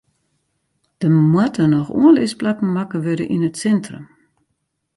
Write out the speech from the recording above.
Der moatte noch oanlisplakken makke wurde yn it sintrum.